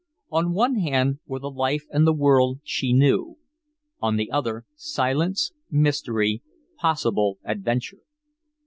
On one hand were the life and the world she knew; on the other, silence, mystery, possible adventure.